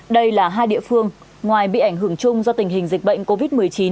đây là hai địa phương ngoài bị ảnh hưởng chung do tình hình dịch bệnh covid một mươi chín